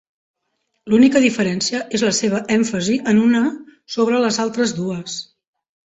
L'única diferència és la seva èmfasi en una sobre les altres dues.